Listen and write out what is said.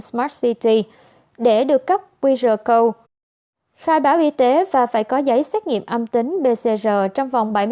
smart city để được cấp qr code khai báo y tế và phải có giấy xét nghiệm âm tính pcr trong vòng bảy mươi năm